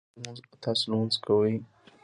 ایا تاسو لمونځ کوئ؟